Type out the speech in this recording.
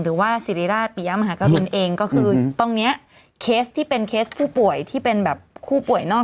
หรือว่าสิริราชปิยะมหากรุณเองก็คือตรงเนี้ยเคสที่เป็นเคสผู้ป่วยที่เป็นแบบผู้ป่วยนอก